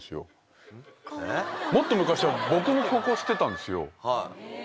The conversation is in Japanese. もっと昔は僕のここを吸ってたんですよ。